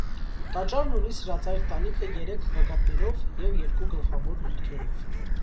Տաճարն ունի սրածայր տանիքը երեք գագաթներով և երկու գլխավոր մուտքերով։